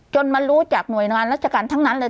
มารู้จากหน่วยงานราชการทั้งนั้นเลย